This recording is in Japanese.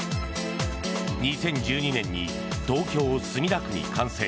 ２０１２年に東京・墨田区に完成。